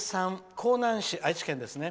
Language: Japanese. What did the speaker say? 江南市、愛知県ですね。